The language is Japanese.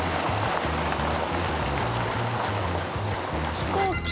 飛行機。